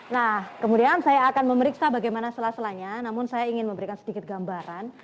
nah kemudian saya akan memeriksa bagaimana sela selanya namun saya ingin memberikan sedikit gambaran